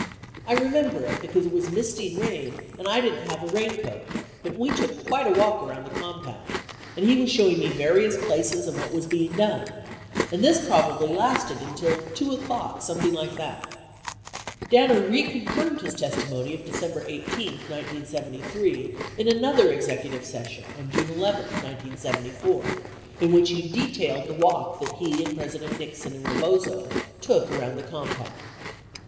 I remember it, because it was misting rain, and I didn't have a raincoat, but we took quite a walk around the compound, and he was showing me various places and what was being done. And this probably lasted until 2 o'clock, something like that. 71 Danner reconfirmed his testimony of December 18, 1973, in another executive session on June 11, 1974, in which he detailed the walk that he and President Nixon and Rebozo took around the compound.